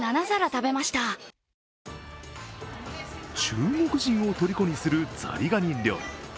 中国人をとりこにするザリガニ料理。